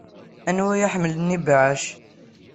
Anwa ay iḥemmlen ibeɛɛac?